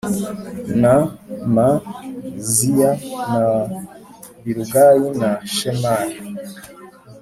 na M ziya na Bilugayi na Shemaya